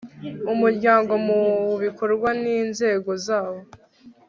umuryango mu bikorwa n intego zawo